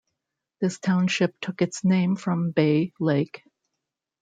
This township took its name from Bay Lake.